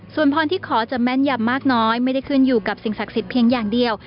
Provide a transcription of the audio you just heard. ส่วนพรที่ขอจะแม่นยำมากน้อยไม่ได้ขึ้นอยู่กับสิ่งศักดิ์สิทธิเพียงอย่างเดียว